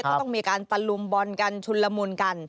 ก็ต้องมีการตะลุมบอลกันชุนละมุนกัน